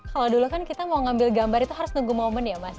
kalau dulu kan kita mau ngambil gambar itu harus nunggu momen ya mas